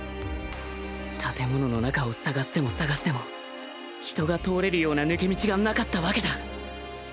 建物の中を探しても探しても人が通れるような抜け道がなかったわけだ